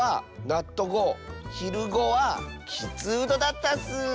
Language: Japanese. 「ひるご」は「きつうど」だったッス！